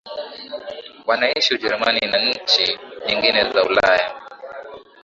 wanaishi Ujerumani na nchi nyingine za Ulaya